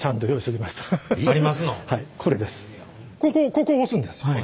ここ押すんですよ。